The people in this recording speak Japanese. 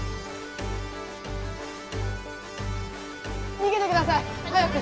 にげてください早く！